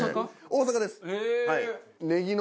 大阪です。